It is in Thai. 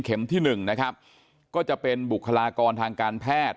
เข็มที่๑ก็จะเป็นบุคลากรทางการแพทย์